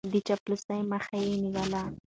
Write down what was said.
د چاپلوسۍ مخه يې نيوله.